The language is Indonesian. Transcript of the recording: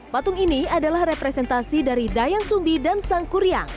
patung ini adalah representasi dari dayang sumbi dan sang kuryang